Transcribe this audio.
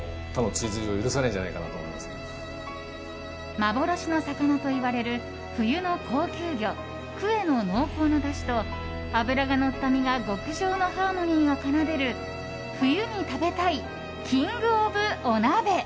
幻の魚といわれる冬の高級魚クエの濃厚なだしと脂がのった身が極上のハーモニーを奏でる冬に食べたいキング・オブ・お鍋！